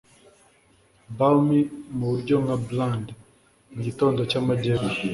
Balmy muburyo nka bland mugitondo cyamajyepfo